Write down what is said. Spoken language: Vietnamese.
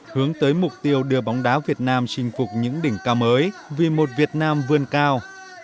hướng tới mục tiêu đưa bóng đá việt nam chinh phục những đỉnh cao mới vì một việt nam vươn cao